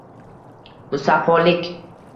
Musaffolik